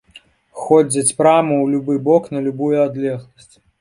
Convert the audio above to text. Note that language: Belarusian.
Ходзяць прама ў любы бок на любую адлегласць.